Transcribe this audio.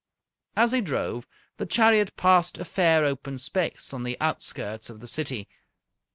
As he drove, the chariot passed a fair open space, on the outskirts of the city.